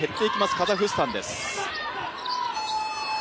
カザフスタンです。